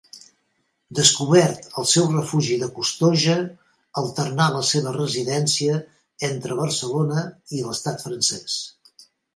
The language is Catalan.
Descobert el seu refugi de Costoja, alternà la seva residència entre Barcelona i l'estat francès.